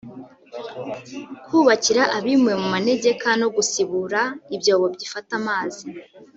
kubakira abimuwe mu manegeka no gusibura ibyobo bifata amazi